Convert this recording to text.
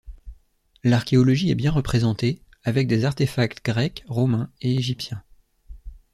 L'archéologie est bien représentée, avec des artefacts grecs, romains et égyptiens.